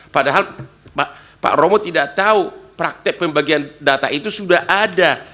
padahal pak romo tidak tahu praktek pembagian data itu sudah ada